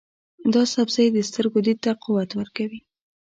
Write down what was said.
دا سبزی د سترګو دید ته قوت ورکوي.